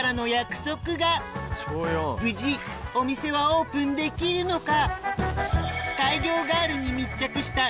無事お店はオープンできるのか？